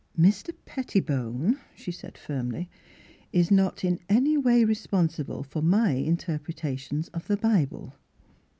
" Mr. Pettlbone," she said firmly, " is not in any way responsible for my inter pretations of the Bible."